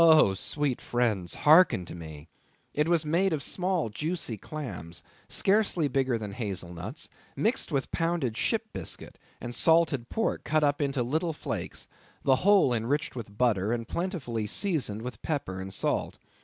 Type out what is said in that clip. Oh, sweet friends! hearken to me. It was made of small juicy clams, scarcely bigger than hazel nuts, mixed with pounded ship biscuit, and salted pork cut up into little flakes; the whole enriched with butter, and plentifully seasoned with pepper and salt.